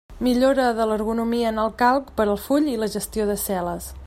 Millora de l'ergonomia en el Calc per al full i la gestió de les cel·les.